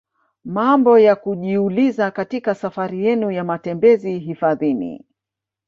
Mambo ya kujiuliza katika safari yenu ya matembezi hifadhini